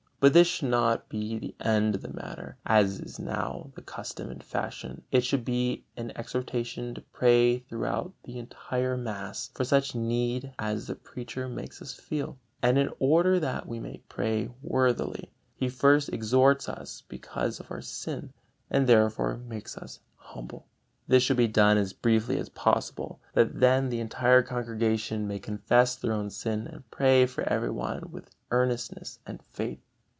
But this should not be the end of the matter, as is now the custom and fashion; it should be an exhortation to pray throughout the entire mass for such need as the preacher makes us feel; and in order that we may pray worthily, he first exhorts us because of our sin, and thereby makes us humble. This should be done as briefly as possible, that then the entire congregation may confess their own sin and pray for every one with earnestness and faith.